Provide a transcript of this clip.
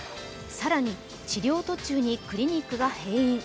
更に、治療途中にクリニックが閉院。